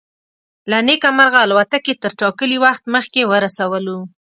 له نیکه مرغه الوتکې تر ټاکلي وخت مخکې ورسولو.